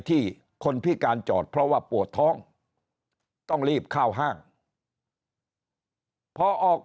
ที่คนพิการจอดเพราะว่าปวดท้องต้องรีบเข้าห้างพอออก